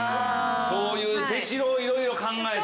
そういう出しろをいろいろ考えて。